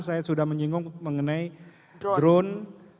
saya sudah menyinggung mengenai drone